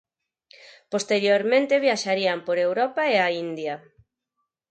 Posteriormente viaxarían por Europa e a India.